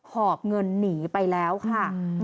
หอบเงินหนีไปแล้วค่ะ